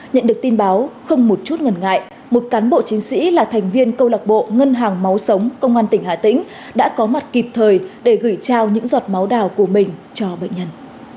nhận được tin báo không một chút ngần ngại một cán bộ chiến sĩ là thành viên câu lạc bộ ngân hàng máu sống công an tỉnh hà tĩnh đã có mặt kịp thời để gửi trao những giọt máu đào của mình cho bệnh nhân